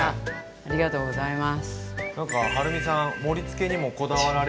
ありがとうございます。